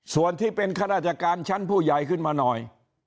ส่วนที่เป็นข้าราชการชั้นผู้ใหญ่ขึ้นมาหน่อย